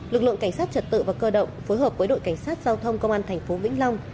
lực lượng cảnh sát trật tự và cơ động phối hợp với đội cảnh sát giao thông công an thành phố vĩnh long